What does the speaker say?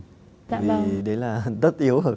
vì đấy là đất yếu thôi